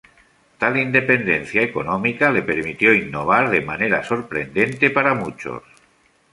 Tal independencia económica le permitió innovar de manera sorprendente para muchos.